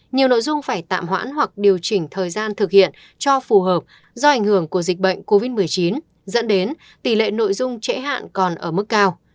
nhiều nội dung phải tạm hoãn hoặc điều chỉnh thời gian thực hiện cho phù hợp do ảnh hưởng của dịch bệnh covid một mươi chín dẫn đến tỷ lệ nội dung trễ hạn còn ở mức cao